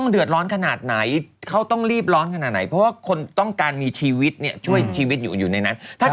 เราจะต้องเสียตังค์เลย๒๕ตอน